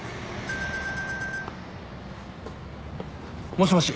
もしもし。